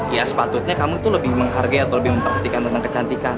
ya sepatutnya kamu itu lebih menghargai atau lebih memperhatikan tentang kecantikan